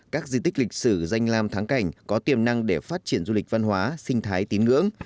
các di tích lịch sử danh làm thắng cảnh có tiềm năng để phát triển du lịch văn hóa sinh thái tín ngưỡng